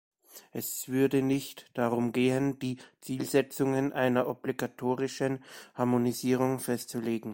Es würde nicht darum gehen, die Zielsetzungen einer obligatorischen Harmonisierung festzulegen.